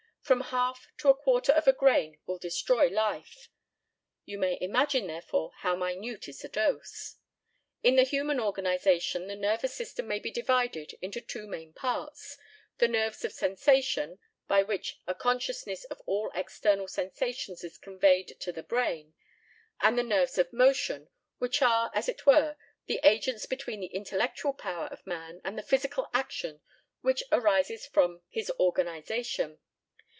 From half to a quarter of a grain will destroy life you may imagine, therefore, how minute is the dose. In the human organization the nervous system may be divided into two main parts the nerves of sensation, by which a consciousness of all external sensations is conveyed to the brain; and the nerves of motion, which are, as it were, the agents between the intellectual power of man and the physical action which arises from his organization.